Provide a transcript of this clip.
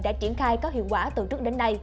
đã triển khai có hiệu quả từ trước đến nay